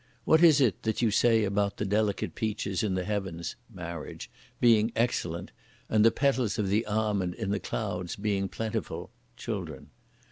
What is it that you say about the delicate peaches in the heavens (marriage) being excellent, and the petals of the almond in the clouds being plentiful (children)?